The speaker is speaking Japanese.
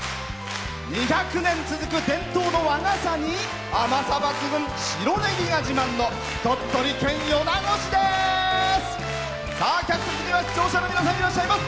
２００年続く伝統の和傘に甘さ抜群、白ネギが自慢の鳥取県米子市です！